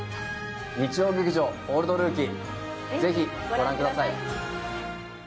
日曜劇場「オールドルーキー」、ぜひご覧ください。